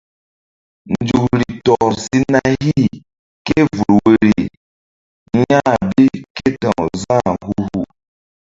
Nzukri tɔr si na hih ké vul woiri ya̧h bi ké ta̧w Za̧h hu hu.